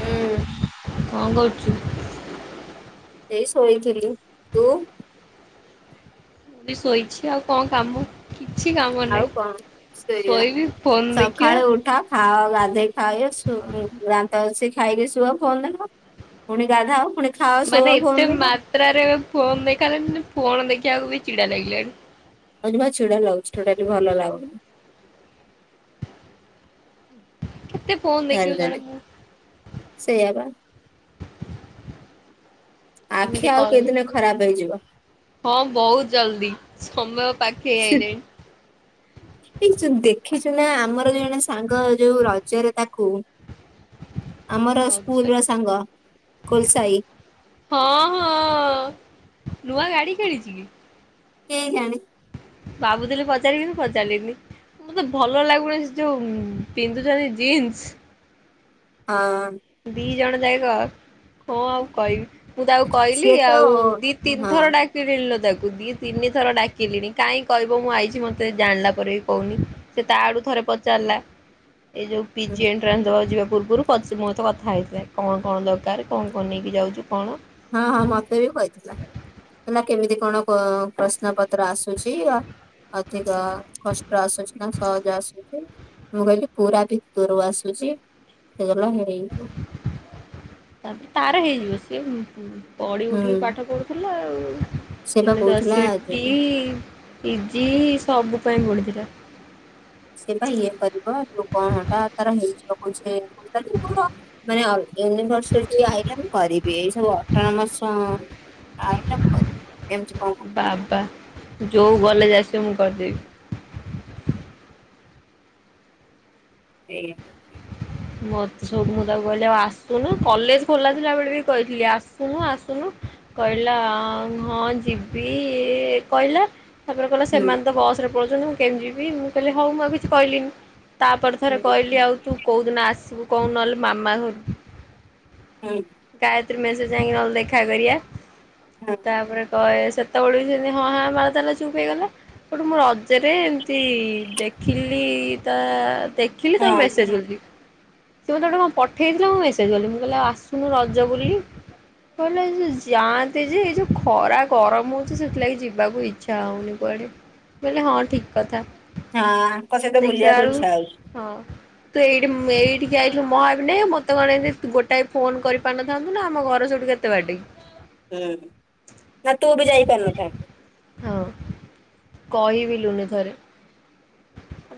ହୁଁ କଣ କହୁ ଏଇ ଶୋଇଥିଲି ତୁ। ମୁଁ ବି ଶୋଇଛି ଆଉ କଣ କାମ। କିଛି କାମ ଆଉ ନାହିଁ। କଣ ସେଇଆ ଶୋଇବି ଫୋନ ଦେଖିବା। ସଖାଳୁ ଉଠ ଖାଅ ଗାଧେଇ ଖାଇ ସୁଅ ରା ତ ଘଷି ସେ ଖାଇକି ଶୁଅ ଫୋନ ଦେଖ ପୁଣି ଗାଦାହ ପୁଣି। ଖାଅ ମାନେ ଶୁଅ ଫୋନ ଏତେ ଦେଖ ମାତ୍ରାରେ ଫୋନ ଦେଖା ହେଲାଣି। ଫୋନ ଦେଖିବାକୁ ବି ଚିଡା ଲାଗିଲାଣି। କହୁଚି ପା ଚିଡା ଲାଗୁଛି ଟୋଟାଲି ଭଲ ଲାଗୁନି। କେତେ ଫୋନ ଦେଖିବ ଜଣେ [unintelligible] ମୁଁ ସେୟାବା। ଆଖି ସେମିତି ଆଉ କର କେଇଦିନେ ଖରାପ ହେଇଯିବ। ହଁ ବହୁତ ଜଲଦି। ସମ ସି ଏଇ ତୁ ଦେଖିଛୁ ନା ଆମର ଜଣେ ସାଙ୍ଗ ଯୋଉ ରଜରେ ତାକୁ ଆମର ସ୍କୁଲ ରଜରେ ର ସାଙ୍ଗ କୋଲସାଇ ହଁ ହଁ ନୂଆ ଗାଡ଼ି କିଣିଛି କି? କେଜାଣେ। ଭାବୁଥଲି ପଚାରିବିନି ପଚାରିଲିନି ମତେ ଭଲ ଲାଗୁନି ସେ ଯୋଉ ପିନ୍ଧୁଛନ୍ତି ଜିନ୍ସ। ହଁ। ବି। ଜଣ ଯାକ ଙ୍କ ଆଉ କହିବି। ମୁଁ ତାକୁ କହିଲି ସିଏ ତ ଆଉ ହଁ ଦି ତିନିଥର ହଁ ଡାକିଲିଣି ଲୋ ତାକୁ। ଦି ତିନି ଥର ଡାକିଲିଣି କାହିଁ କହିବ ମୁଁ ଆଇଛି ମତେ ଜାଣିଲା ପରେ ବି କହୁନି ସେ ତା ଆଡୁ ଥରେ ପଚାରିଲା। ଏ ଯଉ ପିଜି ଏଣ୍ଟ୍ରାନ୍ସ ଦବାକୁ ଯିବା ପୂର୍ବରୁ ପଚିମ୍। ତ କଥା ହେଇଥିଲେ କଣ କଣ ଦରକାର କଣ କଣ ନେଇକି ଯାଉଛୁ କଣ। ହଁ ହଁ ମତେ ବି କହିଥିଲା ହେଲା କେମିତି କଣ ଅ ପ୍ରଶ୍ନ ପତ୍ର ଆସୁଛି ଆ ଅଧିକ କଷ୍ଟ ଆସୁଛି ନା ସହଜ ଆସୁଛି ମୁଁ କହିଲି ପୁରା ଭିତରୁ ଆସୁଛି ସେ କହିଲା ହେଇଯିବ। ତାପରେ ତାର ହେଇଯିବ ସିଏ ଉମ। ପଡି ଉଠିକି ହୁଁ। ପାଠ ପଢୁଥିଲା। ଉ। ସେ ବା ଏଇନା ତା କହୁଥିଲା ସି ଟି ଯୋଉ ପି ଜି। ସବୁ ପାଇଁ ପଢ଼ୁଥିଲା। ସେ ବା ଇଏ କରିବ। ଯଉ କଣ ହେଟା ତାର ନେଇଯିବ କଣ ସେ [unintelligible] ମୋର ମାନେ ଅଲ ୟୁନିଭର୍ସଟି ଆଇଲା କରିବି ଏଇ ସବୁ ଅଟନମସ ଆଇଲା କରିବିନି। ଏମିତି କଣ କହୁଥିଲା। ବାବା ଯୋଉ ଭଲେ ଯାଏ ସେ ମୁଁ କରିଦେବି ସେଇଆ। ମଛ ମୁଁ ତାକୁ କହିଲି ଆଉ ଆସୁନୁ କଲେଜ ଖୋଲା ଥିଲା ବେଳେ ବି କହିଥିଲି ଆସୁନୁ ଆସୁନୁ କହିଲା ହଁ ଯିବି କହିଲା। ତାପରେ କହିଲା ହୁଁ ସେମାନେ ତ ବସରେ ମୁଁ କେମି ଯିବି ମୁଁ କହିଲି ହଉ ମୁଁ ଆଉ କିଛି କହିଲିନି। ତାପରେ ଥରେ ହୁଁ ହୁଁ କହିଲି ଆଉ ତୁ କୋଉ ଦିନ ଆସିବୁ କଣ ନହେଲେ ମାମା ଘ ହୁଁ। ଗାୟତ୍ରୀ ମେସ ଯାଇକି ନହେଲେ ଦେଖା କରିଆ। ହଁ ତାପରେ। କହେ ସେତେବେଳେ ବି ସେମତି ହଁ ହଁ ମାଳ ତାଲା ଚୁପ୍ ହେଇଗଲା ଗଉଠୁ ମୁଁ ରଜରେ ଏମିତି ଦେଖିଲି ତା ଦେଖିଲି ତାକୁ ହଁ ମେସେଜ୍ କ। ସେ ମତେ ଗୋଟେ କଣ ପଠେଇଥିଲା ମ ମୁଁ ମେସଜ ଦେଲି ମୁଁ କହିଲି ଆ ମୁଁ ରଜ ବୁଲିବି କହିଲେ ଏ ଯେଉଁ ଯାଆନ୍ତି ଯେ ଏ ଯେଉଁ ଖରା ଗରମ ହେଉଛି ସେଥିଲାଗି ଯିବାକୁ ଇଚ୍ଛା ହେଉନି କୁଆଡ଼େ ବୋଇିଲେ ହଁ ଠିକ୍ କଥା। ହଁ ତାଙ୍କ ସହିତ ଦେଖିଲା ବୁଲିବାକୁ ବେଳକୁ ଇଚ୍ଛା ହଉଛି। ହଁ ତୁ ଏଇଠି ଏଇଠିକି ଯାଇଥିଲୁ ମଁ ଭାବିବିନି ମତେ କଣ ଗୋଟା। ଫୋନ କରିପାରିନଥାନ୍ତୁ ନା ଆମ ଘର ସେଇଠୁ କେତେ ବାଟ। ହୁଁ ନା ତୁ ବି ଯାଇପାରନୁ ତା। ହଁ କହିିବିଲୁନି ଥରେ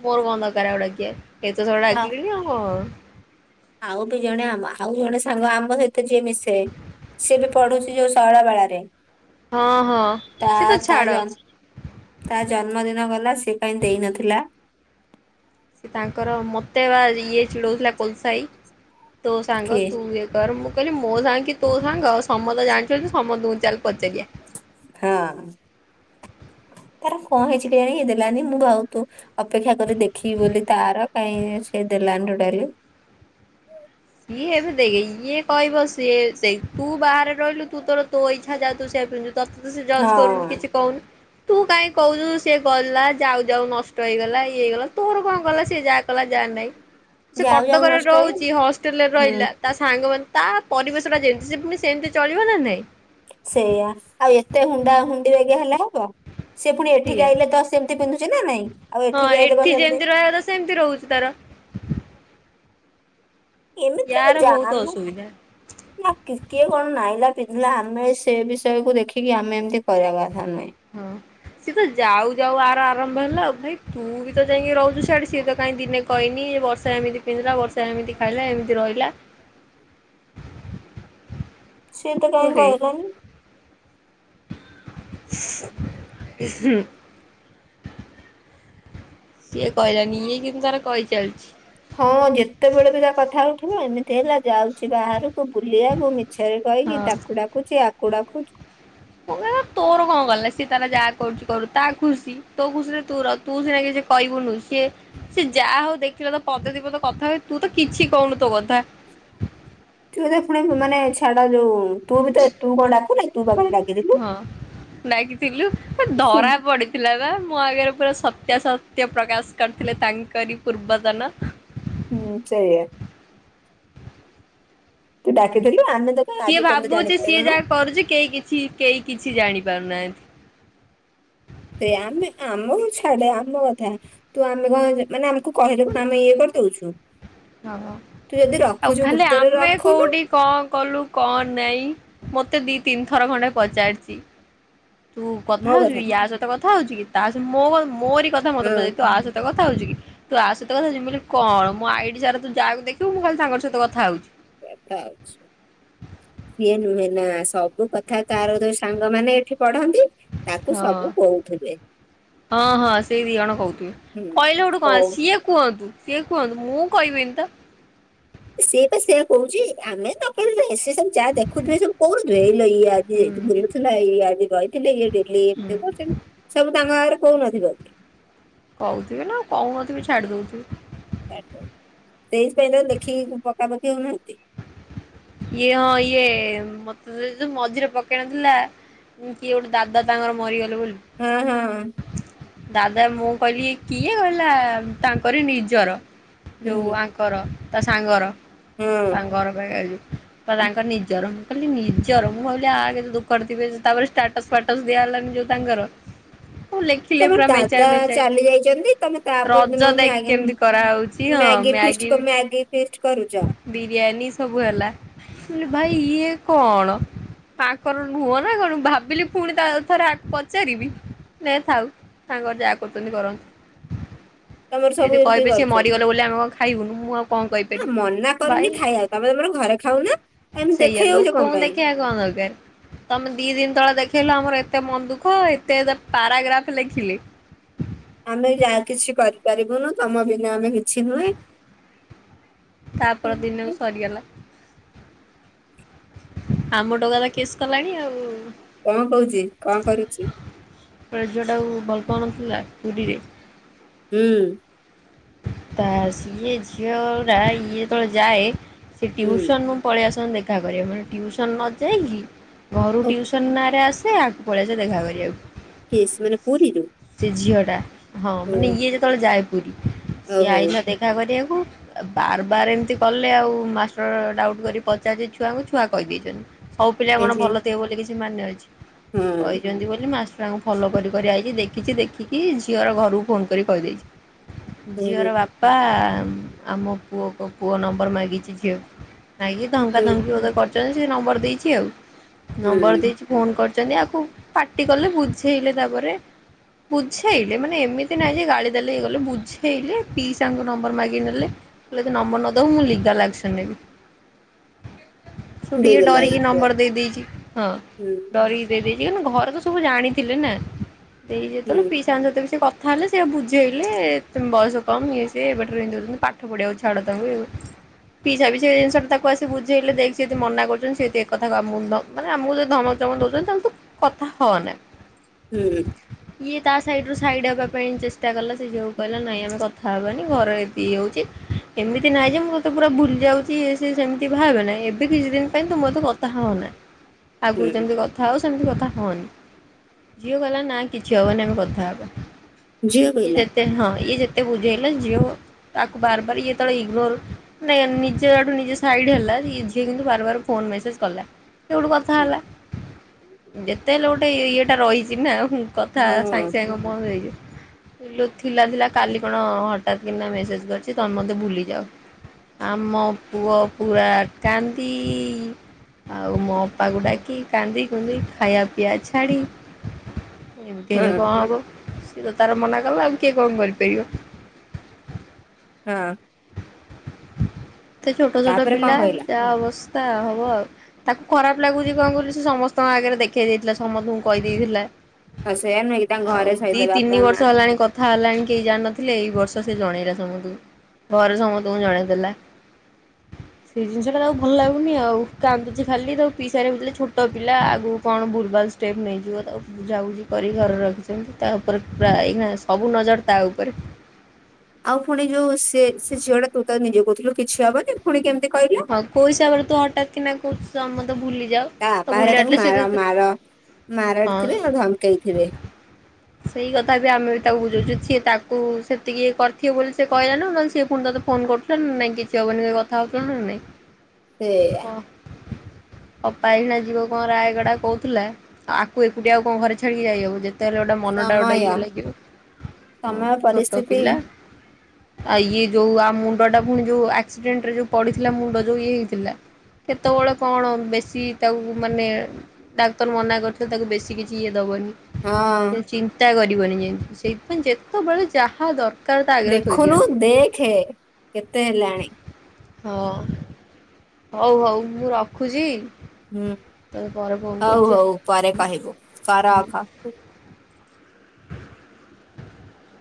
ମୋର କଣ ଦରକାର ତାକୁ ଡାକିବା। ଏତ ଥର ଡାକିଲୁନି ଆଉ କଣ। ଆଉ କେଜାଣି ଆମ ଆଉ ଜଣେ ସାଙ୍ଗ ଆମ ସହିତ ଯିଏ ମିଶେ ସିଏ ବି ପଢୁଛି ଯୋଉ ଶୈଳବାଳାରେ। ହଁ ହଁ ତା ସେ ତ ତା ଛାଡ଼। ଜ ତା ଜନ୍ମଦିନ ଗଲା ସେ କାଇ ଦେଇନଥିଲା। ତାଙ୍କର ମତ। ଦେୱାରି। ଇଏ ଚିଡ଼ଉଥିଲା କୋଲସାଇ। ତୋ ସାଙ୍ଗ କିଏ ତୁ ଏ କର ମୁଁ। କହିଲି ମୋ ସାଙ୍ଗ କି ତୋ ସାଙ୍ଗ ସମସ୍ତେ ଜାଣିଛନ୍ତି ସମସ୍ତଙ୍କୁ ଚାଲଲି ହଁ। ତାର କଣ ହେଇଛି କେଜାଣି କାଇଁ ଦେଲାନି ମୁଁ ଭାବ ତୁ ଅପେକ୍ଷା କରି ଦେଖିବି ବୋଲି ତାର କାଇହିଁ ସେ ଦେଲାନି ତୋଟାଲୀ। ଇଏ ଏବେ ଦେଇ ଇଏ କହିବ ସା ସେ ଦେଖୁ ବାହାରେ ରହିଲୁ ତୁ ତୋର ତୋ ଇ ଇଚ୍ଛା ଯାହା ତୁ ସେଇଆ ପିନ୍ଧିବୁ। ତତେ ସେ ଜଜ୍ ହଁ କରୁନି କିଛି କହୁନି। ତୁ କାହିଁ କହୁଛୁ ସି ଗଲା ଯାଉ ଯାଉ ନଷ୍ଟ ହେଇଗଲା ଇଏ ହେଇଗଲା ତୋର କଣ କଲା ସେ ଯାହା କଲା ଯାହା ନାହିଁ। ସେ ଯାଉ ଯାଉ କଟକରେ ନଷ୍ଟ ହେଇ ରହୁଛି ହସ୍ ହୁଁ ରହିଲା ତା ସା ସାଙ୍ଗମାନେ ତା ପରିବେଶ ଟା ଯେମିତି ସେ ପୁଣି ସେମିତି ଚଳିବ ନା ନାଇଁ ସେଇଆ ଆଉ ଏତେ ହୁଣ୍ଡା ହୁଣ୍ଡି ଏବେ ହେଲେ ହେବ ସେ ପୁଣି ଏଠିକି ସିଏ ଆଇଲେ ତ ସେମତି ପିନ୍ଧୁ ଚିନା ନାଇଁ ଆଉ ହଁ ଏଠିକି ଆଇଲେ କଣ ଏଠି ସେମିତି ଯେମତି ରହିବ ତ ସେମିତି ରହୁଛି ତାର ଏମିତି ୟାର ବହୁତ ଜାହାନ୍ନ ଅସୁବିଧା। ନା କିିକଏ କଣ ନାଇଁଲା ପିନ୍ଧିଲା ଆମେ ସେ ବିଷୟ କୁ ଦେଖିକି ଆମେ ଏମିତି କରିବା କଥା ନୁହେଁ ହଁ। ସିଏ ତ ଯାଉ ଯାଉ ଆର ଆରମ୍ଭ ହେଲା ଆଉ ଭାଇ ତୁ ବି ତ ଯାଇକି ରହୁ ତୁ ସିଆଡେ ସିଏ ବା କାଇଁ ଦିନେ କହିନି ଏ ବର୍ଷା ଏମିତି ପିଲା ବର୍ଷ ଏମିତି ଖାଇଲା ଏମିତି ରହିଲା ସିଏ ତ ମୁଁ କାହିଁ ହେଇ କହିଲାନି [unintelligible] ସିଏ କହିଲାନି ଇଏ କିନ୍ତୁ ତାର କହିଚାଲିଛି ହଁ ଯେତେବେଳେ ବି ତା କଥା ଉଠିବ ଏମିତି ହେଲା ଯାଉ ବାହାରକୁ ବୁଲିବାକୁ ମିଛରେ କହିକି ହଁ ତାକୁ ଡାକୁଛି ଆ ଖୋଡ଼ାକୁୁଚ। ମୁଁ କଇଲି ତୋର କଣ ଗଲା ସିଏ ତାରା ଯାହା କରୁଛି କରୁ ତା ଖୁସି ତୋ ଖୁସିରେ ତୁ ର ତୁ ସିନା କିଛି କହିବୁନୁ ସିଏ ସିଏ ଯାହା ହଉ ଦେ। ଖିବ ତ ପଦେ ଦି ପଦ କଥା ହଏ ତୁ ତ। କିଛି କହୁନୁ ତୋ କ ଥା। ତୁ ସେତେରେ ପୁଣି ମାନେ ଛାଡା ଯୋଉ। ତୁ ବି ତ ତୁ କଣ ଡକୁନା କି। ତୁବା କାଲି ଡାକିଥିଲୁ। ହଁ। ଡାକିଥିଲୁ। ହୁଁ ଧରା ପଡିଥିଲା ବା ମୋ ଆଗରେ ପୁରା ସତ। ସତ୍ୟା ସତ୍ୟ ପ୍ରକାଶ କରିଥିଲେ ତାଙ୍କରି ପୂର୍ବତନ। ହୁଁ ସେଇଆ। ତୁ ଉଁ ଡାକିଥିଲୁ ଆମେ ତ କାଇଁ ଆଜି ସିଏ ପର୍ଯ୍ୟନ୍ତ ଭାବୁଛି ସିଏ ଜାଣିପାରିଲୁନୁ ଯାହା କରୁଛି କେହି କିଛି କେହି କିଛି ଜାଣି। ପାରୁ ନାହାନ୍ତି। ସେୟା ଆମେ ଆମକୁ ଛାଡ ଆମ କଥା ତୁ ଆମେ କଣ ମନେ ଆମକୁ କହିଲେ କଣ ଆମେ ଇଏ କରିଦଉଛୁ। ତୁ ଯଦି ଆଉ ରଖୁଛୁ ଖାଲି ଗୁପ୍ତରେ ଆମେ ରଖୁନୁ କୋଉଠି କଣ କଲୁ କଣ ନାଇଁ ମତେ ଦି ତିନିଥର ଖଣ୍ଡେ ପଚାରିଛି। ତୁ କଥା ହଉଛୁ ୟା ସହିତ କଥା କଥା ହଉଚୁ କି ତା ସହ ମୋ ବା ମୋରି। ରି କଥା ମତେ ହଁ ପଚାରୁଛି ତୁ ଆ ସହିତ କଥା। କଥା ହଉଛୁ କି ତୁ ଆ ସହିତ କଥା ହଉଛୁ ମୁ କହିଲି କଅଣ ମୋ ଆଇଡ଼ି ସାରା ତୁ ଯାହାକୁ ଦେଖୁ ମୁଁ କାଲି ତାଙ୍କ ସହିତ କଥା ହଉଛି। କଥା ଅଛି। ସିଏ ନୁହେଁ ନା ସବୁ କଥା କାର ସାଙ୍ଗମାନେ ଏଠି ପଢ଼ନ୍ତି। ହଁ ହଁ ହଁ ସେଇ ଦି ଜଣ କହୁଥିବେ ହୁଁ କହିଲେ ସେଠୁ କଣ କହୁ ହେଲା ସିଏ କୁହନ୍ତୁ। ସିଏ କୁହନ୍ତୁ ମୁଁ କହିବିିନି ତ। ସେ ବା ସେୟା କହୁଛି ଆମେ ଦକାରେ ଲେସ ସେ ସବୁ ଯାହା ଦେଖୁଥିବେ ସବୁ କୋଉ ନଥିବେ ହେଇଲୋ ଇଏ ଆଜିି ହୁଁ ଏଇଠି ବୁଲୁଥିଲା ଇଏ ଆଜି ଯାଇଥିଲେ ଇଏ ଡେଲି ହୁଁ। ଏମତି କରୁଛନ୍ତି ସବୁ ତାଙ୍କ ଆଗରେ। କହୁନଥିବେ କି। କହୁଥିବେ ନା କହୁନଥିବେ ଛାଡି ଦଉଥିବେ। ସେଇଥିପାଇଁ ତ ଲେଖିକି ପକାପଖି ହଉନାହାନ୍ତି। ଇଏ ହଁ ଇଏ ମତେ ସେ ଯୋଉ ମଝିରେ ପକେଇ ନଥିଲା କିଏ ଗୋଟେ ଦାଦା ତାଙ୍କର ମରିଗଲେ। ବୋଲି ହଁ ହଁ। ଦାଦା ମୁଁ କହିଲି କିଏ ଗଲା ତାଙ୍କରି ନିଜର। ଯୋଉ ହୁଁ ଆଙ୍କର। ତା ସାଙ୍ଗର। ହଁ ତାଙ୍କ ଘର ପାଖରେ ଯୋଉ। ତ ତାଙ୍କର ନିଜ ର କିଲି ନିଜର ମୁ ଭାବିଲି ଆଗ ଦୁଖରେ ଥିବେ ତାପରେ ଷ୍ଟାଟସ ଫାଟସ ଦିଆ ହେଲାନି ଯୋଉ ତାଙ୍କର ମୁଁ ଲେଖିଲେ ତମର ପୁରା ମେଞ୍ଚାଏ ଦାଦା ମେଞ୍ଚାଏ ଚାଲି ଯାଇଛନ୍ତି ତମେ ତା ପର ରଜ ଦିନ ଦେଖ ମ୍ୟାଗି କେମିତି କରାହଉଛି ହଁ ମ୍ୟାଗି ଫିଷ୍ଟ ମ୍ୟାଗି ଫିଷ୍ଟ କରୁଛ ବିରିୟାନୀ ସବୁ ହେଲା ଭାଇ ଇଏ କଣ ତାଙ୍କର ନୁହଁ ନା କଣ ଭାବିଲି ପୁଣି ତା ଥରେ ପଚାରିବି ନାଇ ଥାଉ ତାଙ୍କର ଯାହା କରୁଛନ୍ତି କରନ୍ତୁ। ତମର ସବୁ ଯଦି ଏମିତି କହିବେ ସିଏ କରୁଛନ୍ତି ମରିଗଲ ବୋଲି ଆମେ କଣ ଖାଇବୁନୁ? ମୁଁ କଣ ଆ କହିପାରିବି? ମନା କରୁନି ଭାଇ ଖାଇବାକୁ ତମେ ତମର ଘରେ ଖାଉନା ଏମିତି ସେଇଆ ଦେଖେଇ ଯାଉଛ କଣ ଲୋକଙ୍କୁ ପାଇଁ ଦେଖେଇବା କଣ ଦରକାର ତମେ ଦି ଦିନ ତଳେ ଦେଖେଇଲ ଆମର ଏ ଏତେ ମନ ଦୁଃଖ ଏତେ ପାରାଗ୍ରାଫ୍ ଲେଖିଲେ ଆମେ ଯାହା କିଛି କରିପାରିବୁନୁ ତମ ବିନା ଆମେ କିଛି ନୁହେଁ ତା ପର ଦିନକୁ ସରିଗଲା। ଆମ ଟୋକା ତ କେସ୍ କଲାଣି ଆଉ। କଣ କହୁଛି କଣ କରୁଛି? ଗୁଟେଝୁଅଟାକୁ ଭଲ ପାଉନଥିଲା ପୁରୀରେ ହୁଁ ତା ସିଏ ଝିଅ ଇଏ ଯେତେଳେ ଯାଏ ସେ ହୁଁ ଟିୁସନ ମୁଁ ପଳେଇ ଆସଛି ଦେଖା କରିବା ମାନେଟିଉସନ ନ ଯାଇକି ଘରୁରୁ ଓ ଟ୍ୟୁସନ ନାଁରେ ଆସେ ସେ ଆକୁ ପଳେଇଛ ଦେଖା କରିବାକୁ ସ୍ ମାନେ ପୁରୀରୁୁ ସେ ଝିଅଟା ହଁ ମାନେ ଇଏ ଯେତେବେଳେ ଯାଏ ପୁରୀ ସିଏ ଓହୋ ଆଇଲା ଦେଖା କରିବାକୁ ବାର ବାର ଏମିତି କଲେ ଆଉ ମାଷ୍ଟର ଡାଉଟ କରି ପଚାରେ ଛୁଆଙ୍କୁ ଛୁଆ କହିଦେଇଛନ୍ତି ହଉ ପିଲା କଣ ଏହେ ଭଲ ଥିବ ବୋଲି କିଛି ମାନେ ଅଛି ହଁ କହିଛନ୍ତି ବୋଲି ମାସ ତାଙ୍କୁ ଫଲ କରିିକରି ଆଇକି ଦେଖି କିଛି ଦେଖିକି ଝିଅର ଘରକୁ ଫୋନ କରି କହିଦେଇଛି ହୁଁ ଝିଅର ବାପା ଆ ମୋ ପୁଅ କ ପୁଅ ନମ୍ବର ମାଗିଛି ଝିଅ ହେକ ଧମକା ହୁଁ ଧମକି ବୋଧେ କରିଛ ସେ ନମ୍ବର ଦେଇଛି ଆଉ ହୁଁ ନମ୍ବର ଦେଇଛି ଫୋନ କ ଛନ୍ତି ଆକୁ ପାଟି କଲେ ବୁଝେଇଲେ ତାପରେ ବୁଝେଇଲେ ମାନେ ଏମିତି ନାହିଁ ଯେ ଗାଳି ଦେଲେ ହେଇଗଲେ ବୁଝେଇଲେ ପିଇସାଙ୍କ ନମ୍ବର ମାଗିକି ନେଲେ ନମ୍ବର ନଦବ ମୁଁ ଲିଗାଲ୍ ଆକସନ ନେବି। ସେଠୁ ଦେଇଦେଲା ଇଏ ଡରିକି ପୁଅ ନମ୍ବର ଦେଇ ଦେଇିଛି ହଁ ହୁଁ ଡରିକି ଦେଇ ଦେଇ ଇଏନୁ ଘରେ ତ ସବୁ ଜାଣିଥିଲେ ନା ଦେଇ ହୁଁ ଯେତେବେଳେ ପିଇସାଙ୍କ ସହିତବି ସେ କ କଥାହେଲେ ସେଏ ବୁଝେଇଲେ ବୟସ କମ ଇଏ ସିଏ ଏବେଠରୁ ଏମିତି ଦହେଉଛନ୍ତି ପାଠ ପଢିବାକୁ ଛାଡ଼ ତାଙ୍କୁ ପିସାବି ସେଇଜିନିଷଟା ତାକୁ ଆସି ବୁଝେଇଲେ ଦେଖ ସିଏଯଦି ମନା କରୁଛନ୍ତି ସିଏ ଏକଥାକୁ ଆମକୁ ମାନେ ଆମକୁ ଯଦି ଧମକ ଚମକ ଦଉଛନ୍ତି ତାଙ୍କୁୁ କଥା ହଅନା ହୁଁ, ଇଏ ତା ସାଇଡ଼ୁ ସାଇଡ଼୍ ହେବା ପାଇଁ ଚେଷ୍ଟା କଲା ସେ ଝିଅକୁ କହିଲା ନାଇଁ ଆମେ କଥା ହେବାନି ଘରେ ଇଏ ହେଉଛି ଏମିତି ନାହିଁ ଯେ ମୁଁ ତତେ ପୁରା ଭୁଲି ଯାଉଛି ଇଏ ସିଏ ସେମିତି ଭାବନା ଏବେ କିଛି ଦିନ ପାଇଁ ତୁ ମୋଷହିତ କଥା ହୋଅନା। ଆଗରୁ ହୁଁ ଯେମିତି କଥା ହଉ ସେମିତି କଥାହନି ଝିଅ କହିଲା ନାଇଁ କିଛି ହେବନି ଆମେ କଥା ହେବା। ଝିଅ ଇଏ କହିଲା ଯେତ ହଁ ଇଏ ଯେ ଏତେ ବୁଝେଇଲା ଝିଅ ତାକୁ ବାରବାର ଇଏ ତଳେ ଇଗ୍ନୋର ନିଜଆଡୁ ନିଜେ ସାଇଡ ହେଲା ଝିଅ କିନ୍ତୁ ବାର ବାର ଫୋନ ମେସେଜ କଲା। ସେଉଠୁ କଥା ହୁଁ ହେଲା, ଯେତେ ହେଲେ ଗୋଟେ ଇଏଟା ରହିଛି ନା କଥା ହଁ ସାଙ୍ଗେ ସାଙ୍ଗେ ମନ ଥିଲା ଥିଲା କାଲି କଣ ହଠାତ୍ କିନା ମେସେଜ କରିଛି ତମେ ମତେ ଭୁଲି ଯାଅ ଆମ ପୁଅ ପୁରା କାନ୍ଦି ଆଉ ମୋ ଅପାକୁ ଡାକି କାନ୍ଦି କୁନ୍ଦି ଖାଇବା ପିଇବା ଛାଡି ଏମତି ହଁ ଏବେ କଣ ହବ କି ତ ତାର ମନା କଲା ଆଉ କିଏ କଣ କରିପାରିବ। ହଁ, ଏତେ ଛୋଟ ଛୋଟ ତାପରେ ପିଲା କଣ କହିଲା ଯାହା ଅବସ୍ ତା ହବ ଆଉ ତାକୁ ଖରାପ ଲାଗୁଚି କଣ କଇଲୁ ସେ ସମସ୍ତଙ୍କ ଆଗରେ ଦେଖେଇ ଦେଇଥିଲା ସମସ୍ତଙ୍କୁ କହିଦେଇଥିଲା। କ ସ ନାଇ ତାଙ୍କ ଆଉ ଘରେ ଦି ସେଇତ ତିନି ବାପା ବର୍ଷ ମା ହେଲାଣି କଥା ହେଲାଣି କେହି ଜାଣ ନଥିଲେ ଏଇ ବର୍ଷ ସେ ଜଣେଇଲା ସମସ୍ତଙ୍କୁ ଘରେ ସମସ୍ତେ ତ ଜଣେଇ ଦେେଲା ସେଇ ଜିନିଷଟା ତାକୁ ଭଲ ଲାଗୁନି ଆଉ କାନ୍ଦୁଛି ଖାଲି ତାକୁ ପିଇସା ଘରିକା କହୁଥିଲେ ଛୋଟ ପିଲା ଆଗକୁ କଣ ଭୁଲଭାଲ ଷ୍ଟେପ ନେଇଯିବ ତାକୁ ବୁଝା ବୁଝି କରି ଘରେ ରଖିଛନ୍ତି ତା ଉପରେ ପୁରା ଏଇନା ସବୁ ନଜର ତା ଉପରେ ଆଉ ପୁଣି ଯୋଉ ସେ ସେ ଝିଅ ତୁତ ନିଜେ କହୁଥିଲୁ କିଛି ହବନି ଫୁଣି କେମି ହଁ ପଇସା ବେଳେ ତୁ ହଟାତ୍ କି ନା ଖୁସାମତ ତା ବାପଘରିକା ତାକୁ ମାର ମାର ହଁ ମାରଡିଥିବେ ନହେଲେ ଧମକେଇଥିବେ। ସେଇ କଥା ବି ଆମେ ବି ତାକୁ ବୁଝଉଛୁ ସିଏ ତାକୁ ସେତିକି ଇଏ କରିଥିବ ବୋଲି ସେ କହିଲାନାଉ ନହେଲେ ସିଏ ପୁଣି ତୋତେ ଫୋନ କରୁଥିଲାନାଇଁ କିଛି ହବନି କଥା ହଉଥିଲା ନା ନାଇଁ। ସେଇଆ। ହଁ ଅପା ଏଇକ୍ଷିଣା ଯିବ କଣ ରାୟଗଡା କହୁଥିଲା ଆକୁ ଏକୁଟିଆ ଆଉ କଣ ଘରେ ଛାଡିକି ଯାଇହବ ଯେତେହେଲେ ଗୋଟେ ମନଟା ଗୋଟେ ସମୟ ଇଏ ଲାଗିବ। ହଁ ସମୟ ଛୋଟ ପରିସ୍ତିତି ପିଲା। ଆଉ ଇଏ ଯେଉ ଆଉ ମୁଣ୍ଡଟା ପୁଣି ଯେଉ ଆକ୍ସିଡେଣ୍ଟରେ ଯେଉ ପଡ଼ିଥିଲା ମୁଣ୍ଡ ଯେଉ ଇଏ ହେଇଥିଲା କେତେବେଳେ କଣ ବେଶୀ ତାକୁ ମାନେ ଡାକ୍ତର ମନା କରିଛନ୍ତି ତାକୁ ବେଶୀ କିଛି ଇଏ ଦବନି, ହଁ ସେ ଚିନ୍ତା କରିି [unintelligible] ଯେମିତି ସେଇଥିପାଇଁ ଯେତେବେଳେ ଯାହା ଦରକାର ତା ଆଗରେ ଥୋଇ ଦେଖୁନୁ ଦିଅନ୍ତି। ଦେଖେ କେ ତେ ହେଲାଣି। ହଁ ହଉ ହଉ ମୁଁ ରଖୁଛି। ହୁଁ ତୋତେ ପରେ ଫୋନ ହଉ କରୁଛି ହଉ ଆଉ। ପରେ କହିବୁ। ର ହୁଁ। ରଖ। [inaudible]